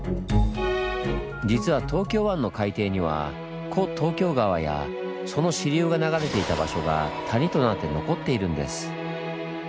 実は東京湾の海底には古東京川やその支流が流れていた場所が谷となって残っているんです。